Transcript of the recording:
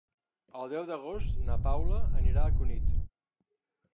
El deu d'agost na Paula anirà a Cunit.